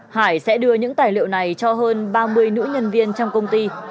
hải sẽ đưa những tài liệu này cho hơn ba mươi nữ nhân viên trong công ty